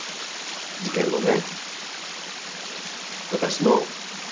事件後ね。